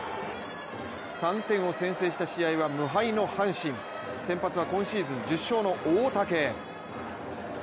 ３点を先制した試合は無敗の阪神、先発は今シーズン１０勝の大竹。